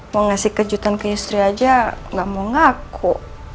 mau ngasih kejutan ke istri aja gak mau ngaku